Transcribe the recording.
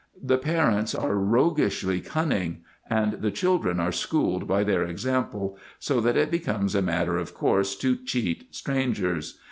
The parents are roguishly cunning, and the children are schooled by their example, so that it be comes a matter of course to cheat strangers.